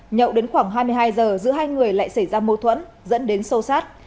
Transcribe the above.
nhậu đến khoảng hai mươi hai giờ giữa hai người lại xảy ra mâu thuẫn dẫn đến sâu sát